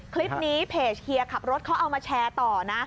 คลิปนี้เพจเฮียขับรถเขาเอามาแชร์ต่อนะ